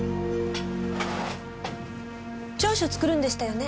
調書作るんでしたよね？